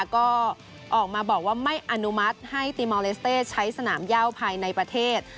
ก็ออกมาบอกว่าไม่อนุมัติให้ตีมอลเลสเต้ใช้สนามย่าภายในประเทศ